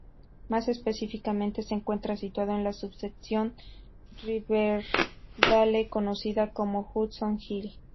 Más específicamente, se encuentra situado en la subsección de Riverdale conocida como Hudson Hill.